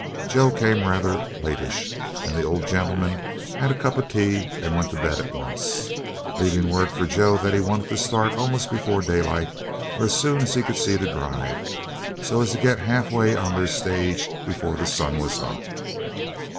Joe came rather latish, and the old gentleman had a cup of tea and went to bed at once, leaving word for Joe that he wanted to start almost before daylight, or as soon as he could see to drive, so as to get half way on their stage before the sun was hot.